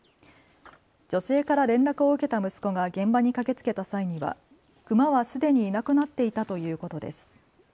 女性から連絡を受けた息子が現場に駆けつけた際にはクマはすでにいなくなっていたということです。